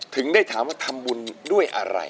ถึงได้ถามว่าทำบุญด้วยอะไร